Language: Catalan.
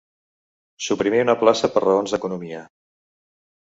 Suprimir una plaça per raons d'economia.